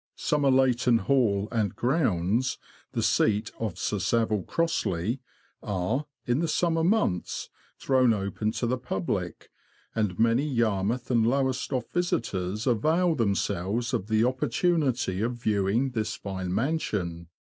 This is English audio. Somerleyton Hall and grounds, the seat of Sir Saville Crossley, are, in the summer months, thrown open to the public, and many Yarmouth and Lowestoft visitors avail themselves of the opportunity of viewing this fine mansion.